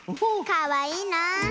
かわいいなあ。